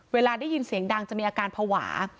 เวลาได้ยินเสียงดังจะมีอาการภาวะ